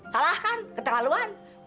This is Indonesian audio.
salah kan keterlaluan